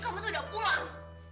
kamu tuh udah pulang